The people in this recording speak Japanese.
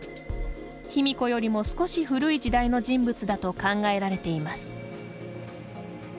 卑弥呼よりも少し古い時代の人物だと考えられています。